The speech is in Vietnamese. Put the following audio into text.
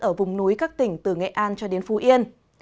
ở vùng núi các tỉnh từ nghệ an cho đến phú yên